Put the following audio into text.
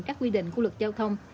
các quy định của luật giao thông